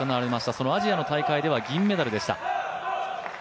そのアジアの大会では銀メダルでした。